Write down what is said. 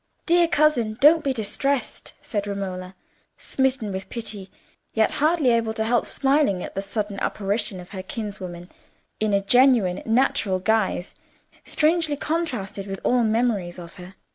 "Dear cousin, don't be distressed," said Romola, smitten with pity, yet hardly able to help smiling at the sudden apparition of her kinswoman in a genuine, natural guise, strangely contrasted with all memories of her.